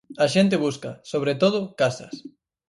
A xente busca, sobre todo, casas.